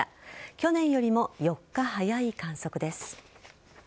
去年よりも４日早い観測です。